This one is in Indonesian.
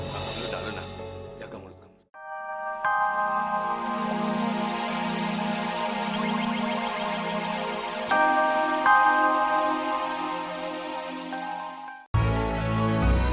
kau meredak renang jaga mulut kamu